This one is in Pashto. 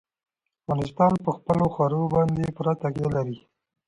افغانستان په خپلو ښارونو باندې پوره تکیه لري.